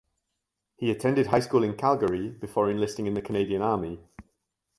He attended high school in Calgary before enlisting in the Canadian Army.